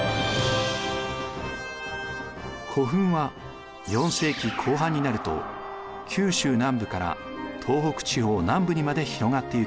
古墳は４世紀後半になると九州南部から東北地方南部にまで広がっていきます。